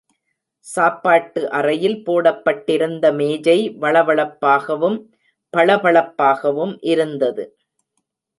சாப்பாட்டு அறையில் போடப்பட்டிருந்த மேஜை வழவழப்பாகவும், பளபளப்பாகவும் இருந்தது.